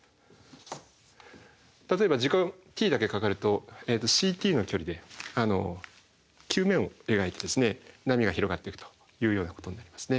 例えば時間ｔだけかかるとｃｔの距離で球面を描いて波が広がっていくというようなことになりますね。